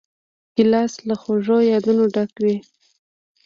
ګیلاس له خوږو یادونو ډک وي.